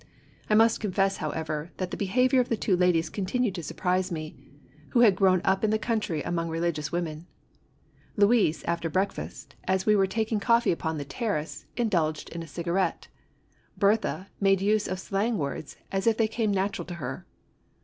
I must confess, however, that the 58 IJT THE yOLUBILIS BOWER. behaviour of the two ladies continued to surprise me, who had grown up in the country among religious women. Louise, after breakfast, as we were taking coffee upon the terrace, indulged in a cigarette. Berthe made use of slang words as if they came natural to her.